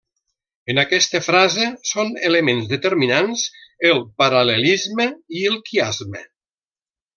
En aquesta frase són elements determinants el paral·lelisme i el quiasme.